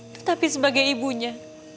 tetapi sebagai ibunya